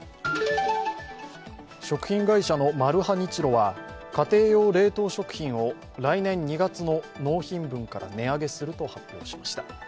食品会社のマルハニチロは家庭用冷凍食品を来年２月の納品分から値上げすると発表しました。